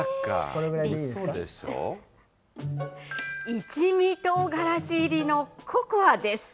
一味とうがらし入りのココアです。